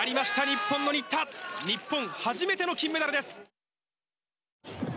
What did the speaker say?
日本初めての金メダルです！